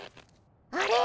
あれ？